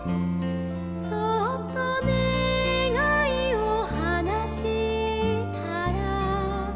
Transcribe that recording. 「そっとねがいをはなしたら」